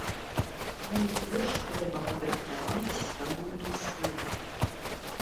Найперш трэба падрыхтаваць сваю душу.